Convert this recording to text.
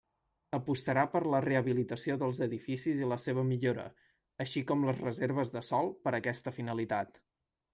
Apostarà per la rehabilitació dels edificis i la seva millora, així com les reserves de sòl per aquesta finalitat.